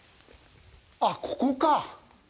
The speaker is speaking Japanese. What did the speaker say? あっ、ここか。